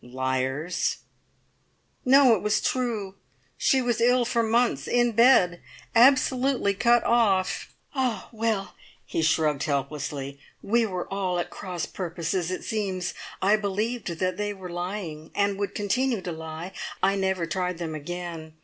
Liars!" "No! It was true. She was ill for months; in bed! absolutely cut off " "Ah, well!" He shrugged helplessly. "We were all at cross purposes, it seems. I believed that they were lying, and would continue to lie. I never tried them again.